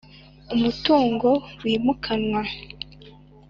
Umutungo wimukanwa